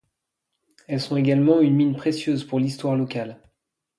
Elles sont également une mine précieuse pour l'histoire locale.